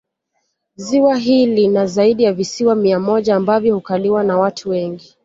Ziwa hili lina zaidi ya visiwa mia moja ambavyo hukaliwa na watu wengi